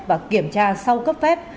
và kiểm tra sau cấp phép